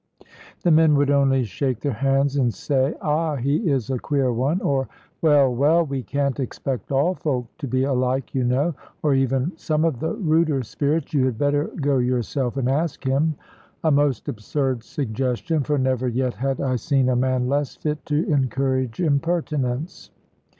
The men would only shake their hands and say "Ah, he is a queer one!" or, "Well, well, we can't expect all folk to be alike, you know;" or even some of the ruder spirits, "You had better go yourself and ask him" a most absurd suggestion, for never yet had I seen a man less fit to encourage impertinence.